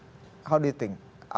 apa pendapat anda